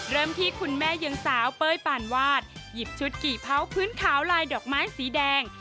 เริ่มที่คุณแม่ยังสาวเป้ยปานวาดหยิบชุดกี่เผาพื้นขาวลายดอกไม้สีแดง